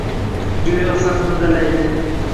Go’yo sahnada Layli